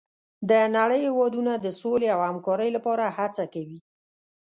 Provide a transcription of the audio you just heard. د نړۍ هېوادونه د سولې او همکارۍ لپاره هڅه کوي.